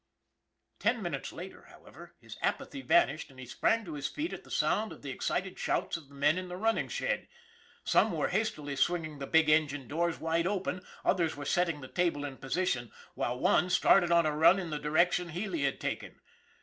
Ten minutes later, however, his apathy vanished and he sprang to his feet at the sound of the excited shouts of the men in the running shed. Some were hastily swinging the big engine doors wide open, others were setting the table in position, while one started on a run in the direction Healy had taken.